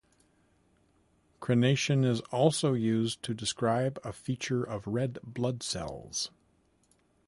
Crenation is also used to describe a feature of red blood cells.